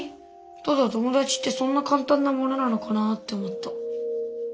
ただともだちってそんなかんたんなものなのかなって思った。